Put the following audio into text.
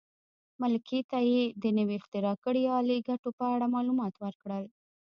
ملکې ته یې د نوې اختراع کړې الې ګټو په اړه معلومات ورکړل.